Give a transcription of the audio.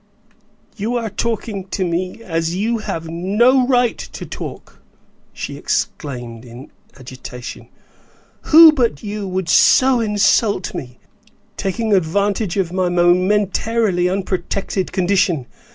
"You are talking to me as you have no right to talk!" she exclaimed, in agitation. "Who but you, would so insult me, taking advantage of my momentarily unprotected condition.